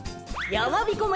やまびこ村